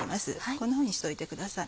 こんなふうにしておいてください。